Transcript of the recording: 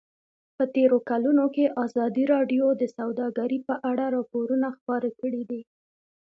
په تېرو کلونو کې ازادي راډیو د سوداګري په اړه راپورونه خپاره کړي دي.